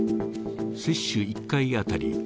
接種１回当たり